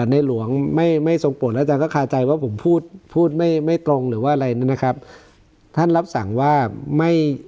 ในหลวงไม่ไม่ทรงปวดแล้วอาจารย์ก็คาใจว่าผมพูดพูดไม่ไม่ตรงหรือว่าอะไรนะครับท่านรับสั่งว่าไม่